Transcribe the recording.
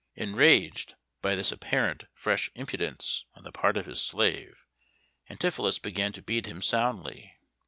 Enraged by this apparent fresh impudence on the part of his slave, Antipholus began to beat him soundly.